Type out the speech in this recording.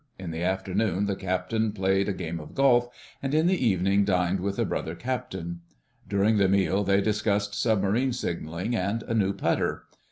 In the afternoon the Captain played a game of golf, and in the evening dined with a brother Captain. During the meal they discussed submarine signalling and a new putter.